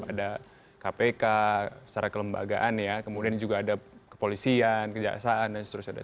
ada kpk secara kelembagaan ya kemudian juga ada kepolisian kejaksaan dan seterusnya